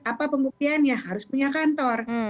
apa pembuktiannya harus punya kantor